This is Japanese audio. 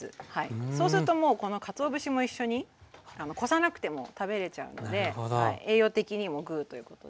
そうするともうこのかつお節も一緒にこさなくても食べれちゃうので栄養的にもグーということで。